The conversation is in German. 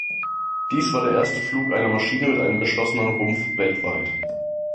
Dies war der erste Flug einer Maschine mit einem geschlossenen Rumpf weltweit.